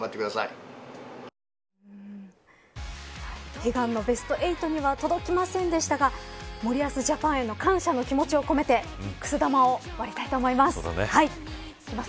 悲願のベスト８には届きませんでしたが森保ジャパンへの感謝の気持ちを込めてくす玉を割りたいと思います。